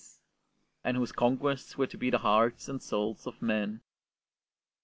BENEDICT 21 and whose conquests were to be the hearts and souls of men.